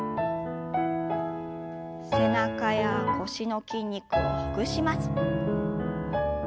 背中や腰の筋肉をほぐします。